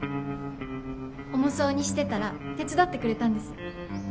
重そうにしてたら手伝ってくれたんです。